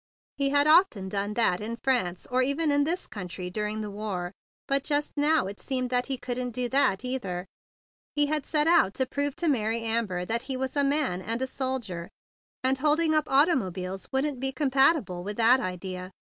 He had often done that in France, or even in this country during the war. But just now it seemed that he couldn't do that, either. He had set out to prove to Mary Amber that he was a man and a soldier, and holding up automobiles wouldn't be compatible with that idea.